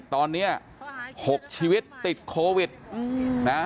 ตอนนี้๖ชีวิตติดโควิดนะ